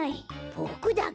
ボクだけ？